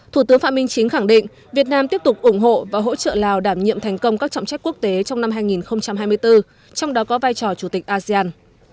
thủ tướng phạm minh chính khẳng định việt nam tiếp tục ủng hộ và hỗ trợ lào đảm nhiệm thành công các trọng trách quốc tế trong năm hai nghìn hai mươi bốn trong đó có vai trò chủ tịch asean